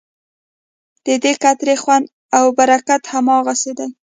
ددې قطرې خوند او برکت هماغسې دی.